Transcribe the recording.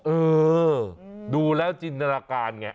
เออดูแล้วจินตนาการไง